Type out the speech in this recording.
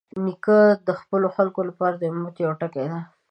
نیکه د خپلو خلکو لپاره د امید یوه ټکۍ ده.